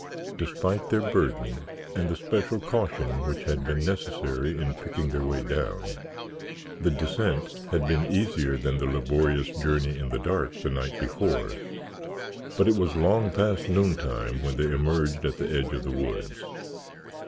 Despite their burden and the special caution which had been necessary in picking their way down, the descent had been easier than the laborious journey in the dark the night before, but it was long past noontime when they emerged at the edge of the woods.